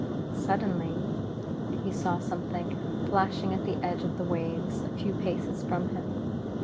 Suddenly he saw something flashing at the edge of the waves a few paces from him.